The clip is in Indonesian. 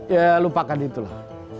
ya lupakan itu lah